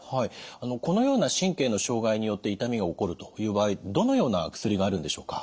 このような神経の障害によって痛みが起こるという場合どのような薬があるんでしょうか？